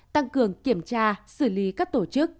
tăng cường kiểm tra xử lý các tổ chức